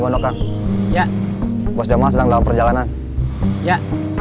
teleponnya kita kan buru buru gandang gandang perjalanan ya